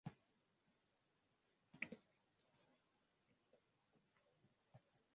wafanyikazi wengi walipanda boti za mwisho za uokoaji